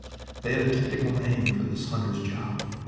They had a technical name for this hunter's job.